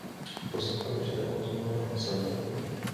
اوس غواړو چې دا موضوع نوره هم ساده کړو